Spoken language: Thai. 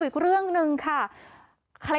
อีกเรื่องหนึ่งค่ะ